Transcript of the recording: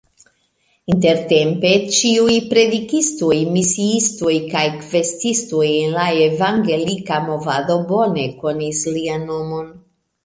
Intertempe ĉiuj predikistoj, misiistoj kaj kvestistoj en la Evangelika movado bone konis lian nomon.